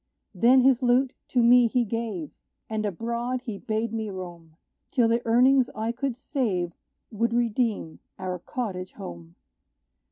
Then his lute to me he gave; And abroad he bade me roam, Till the earnings I could save Would redeem our cottage home.